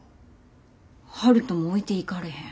悠人も置いていかれへん。